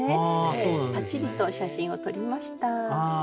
パチリと写真を撮りました。